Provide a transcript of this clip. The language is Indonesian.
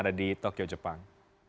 ada di tokyo jepang